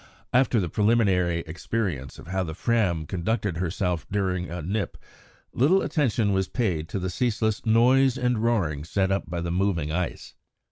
After the preliminary experience of how the Fram conducted herself during a "nip," little attention was paid to the ceaseless noise and roaring set up by the moving ice.